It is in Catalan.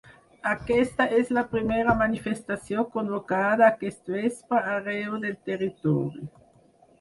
Aquesta és la primera manifestació convocada aquest vespre arreu del territori.